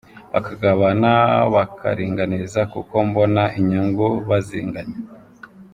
Bakagabana bakaringaniza kuko mbona inyungu bazinganya.